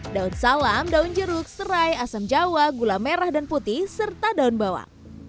daun salam daun jeruk serai asam jawa gula merah dan putih serta daun bawang